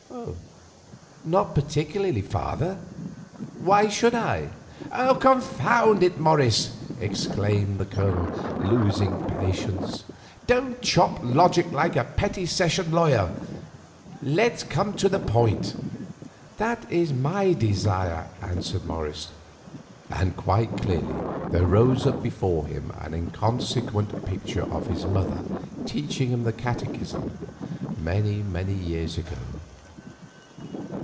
"Not particularly, father. Why should I?" "Confound it, Morris," exclaimed the Colonel, losing patience; "don't chop logic like a petty sessions lawyer. Let's come to the point." "That is my desire," answered Morris; and quite clearly there rose up before him an inconsequent picture of his mother teaching him the Catechism many, many years ago.